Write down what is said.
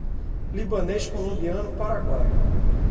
Libanês, Colombiano, Paraguaio